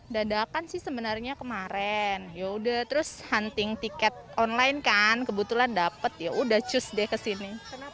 dadakan sih sebenarnya kemarin yaudah terus hunting tiket online kan kebetulan dapet yaudah cus deh kesini